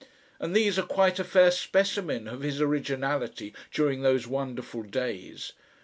And these are quite a fair specimen of his originality during those wonderful days.